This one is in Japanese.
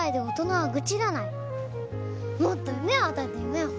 もっと夢を与えて夢を！